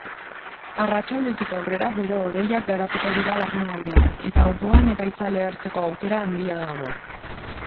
Arratsaldetik aurrera bero-hodeiak garatuko dira barnealdean eta orduan ekaitza lehertzeko aukera handia dago.